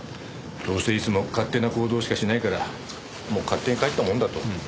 どうせいつも勝手な行動しかしないからもう勝手に帰ったもんだと。